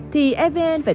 thì fvn phải công khai